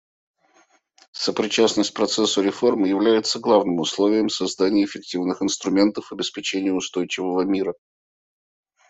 Сопричастность процессу реформ является главным условием создания эффективных институтов и обеспечения устойчивого мира.